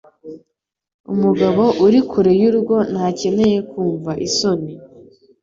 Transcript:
Umugabo uri kure y'urugo ntakeneye kumva isoni.